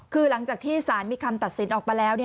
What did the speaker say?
คือหลังจากที่สารมีคำตัดสินออกมาแล้ว